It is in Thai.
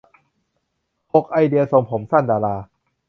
หก ไอเดีย ทรงผมสั้นดารา